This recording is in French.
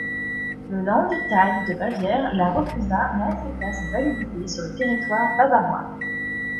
Le Landtag de Bavière la refusa mais accepta sa validité sur le territoire bavarois.